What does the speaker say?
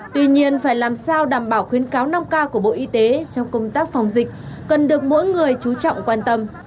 tuy nhiên phải làm sao đảm bảo khuyến cáo năm k của bộ y tế trong công tác phòng dịch cần được mỗi người chú trọng quan tâm